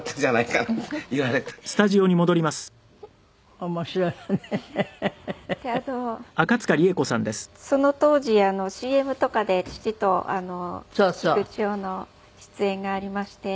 であとその当時ＣＭとかで父と菊千代の出演がありまして。